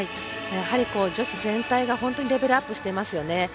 女子全体が本当にレベルアップしてますよね。